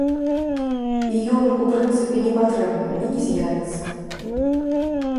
І ён, у прынцыпе, не патрэбны, і не з'явіцца.